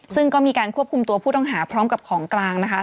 ซึ่งก็มีการควบคุมตัวผู้ต้องหาพร้อมกับของกลางนะคะ